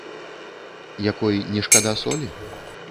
Якой не шкада солі?